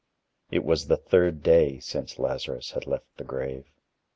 It was the third day since Lazarus had left the grave.